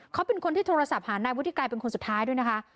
เขาเป็นคนที่โทรศัพท์หานายวุฒิไกรเป็นคนสุดท้ายด้วยนะคะ